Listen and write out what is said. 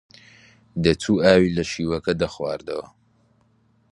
دەچوو ئاوی لە شیوەکە دەخواردەوە